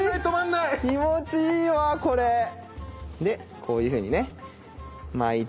でこういうふうにね。